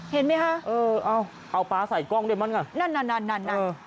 เห็นมั้ยฮะเออเอาเอาปลาใส่กล้องด้วยมั้นค่ะนั่นนั่นนั่นนั่นนั่นนั่น